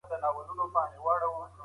هغه یو لوی اسلامي لښکر جوړ کړی و.